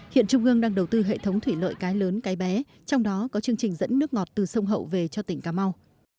hiện trung ương đang đầu tư hệ thống thủy lợi cái lớn cái bé trong đó có chương trình dẫn nước ngọt từ sông hậu về cho tỉnh cà mau